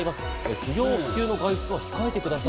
不要不急の外出は控えてください。